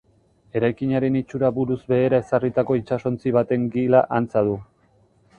Eraikinaren itxura buruz behera ezarritako itsasontzi baten gila antza du.